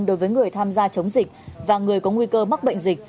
đối với người tham gia chống dịch và người có nguy cơ mắc bệnh dịch